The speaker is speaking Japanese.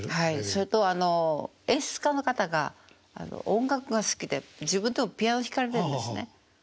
それとあの演出家の方が音楽が好きで自分でもピアノ弾かれてんですね。